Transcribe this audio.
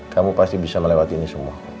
kamu pasti bisa melewati ini semua